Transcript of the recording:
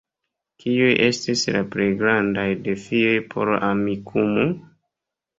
Kiuj estis la plej grandaj defioj por Amikumu?